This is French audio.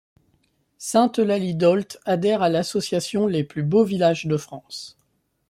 Sainte-Eulalie-d'Olt adhère à l'association Les Plus Beaux Villages de France.